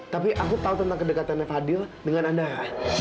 tapi aku tau tentang kedekatannya fadel dengan andara